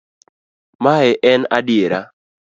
Mae en adiera.